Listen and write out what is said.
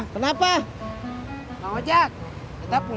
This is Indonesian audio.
ke kiri bang